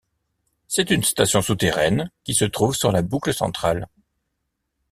C'est une station souterraine qui se trouve sur la boucle centrale.